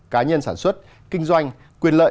cá nhân sản xuất kinh doanh quyền lợi